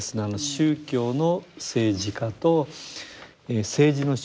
宗教の政治化と政治の宗教化。